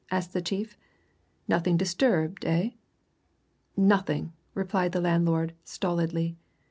asked the chief. "Nothing disturbed, eh?" "Nothing!" replied the landlord stolidly.